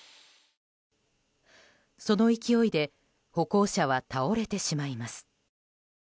その勢いで歩行者は倒れてしまいます。